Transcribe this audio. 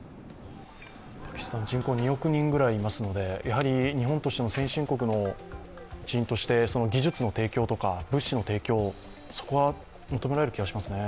パキスタンは人口２億人ぐらいいますので、日本としても先進国の一員として技術の提供とか物資の提供、そこは求められると思いますね。